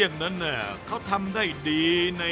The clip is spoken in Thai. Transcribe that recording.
ซุปไก่เมื่อผ่านการต้มก็จะเข้มขึ้น